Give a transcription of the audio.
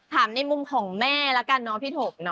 ถามในมุมของแม่น่ะกันพี่ถม